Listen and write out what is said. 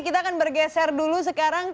kita akan bergeser dulu sekarang